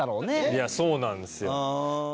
いやそうなんですよ。